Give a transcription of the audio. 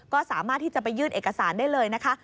ก็สามารถที่จะไปยื่นเอกสารได้เลยนะคะ